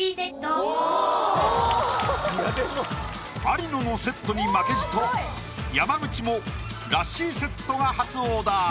有野のセットに負けじと山口もラッシーセットが初オーダー！